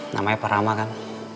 namanya pak rama kan